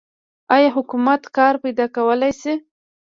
آیا حکومت کار پیدا کولی شي؟